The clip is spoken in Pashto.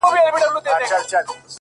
له شاتو نه؛ دا له شرابو نه شکَري غواړي؛